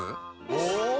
お！